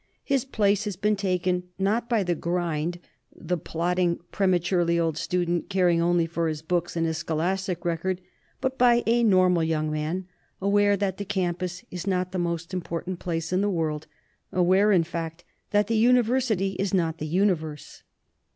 His place has been taken, not by the "grind," the plodding, prematurely old student, caring only for his books and his scholastic record, but by a normal young man, aware that the campus is not the 199 LITERATURE IN THE MAKING most important place in the world; aware, in fact, that the university is not the universe.